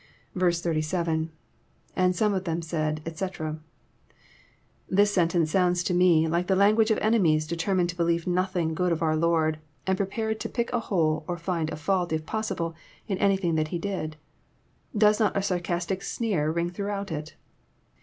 87. — lAnd some of them said, eic,'] This sentence sounds to me like the language of enemies determined to believe nothing good of our Lord, and prepared to pick a hole or find a fault if possible, in anything that He did. Does not a sarcastic sneer ring throughout it?